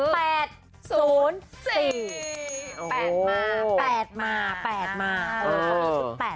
๘มา๘มา๘มา